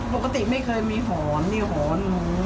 ปกติไม่เคยมีหอนมีหอน